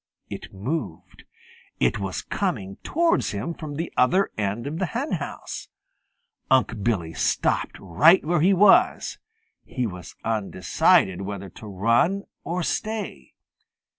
It moved. It was coming towards him from the other end of the henhouse. Unc' Billy stopped right where he was. He was undecided whether to run or stay.